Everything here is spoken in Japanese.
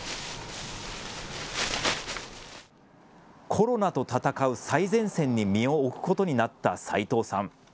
コロナと闘う最前線に身を置くことになった齋藤さん。